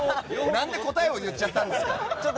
何で答えを言っちゃったんですか？